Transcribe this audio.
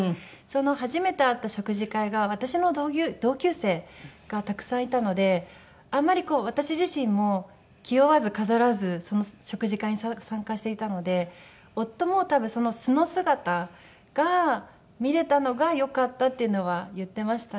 初めて会った食事会が私の同級生がたくさんいたのであんまりこう私自身も気負わず飾らずその食事会に参加していたので夫も多分その素の姿が見れたのがよかったっていうのは言ってましたね。